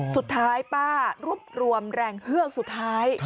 สุดท้ายป้ารวบรวมแรงเฮือกสุดท้าย